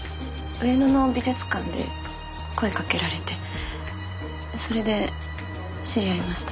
上野の美術館で声かけられてそれで知り合いました。